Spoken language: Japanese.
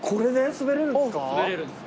滑れるんです。